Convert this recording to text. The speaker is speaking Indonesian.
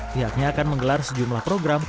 pihaknya akan menggelar sejumlah program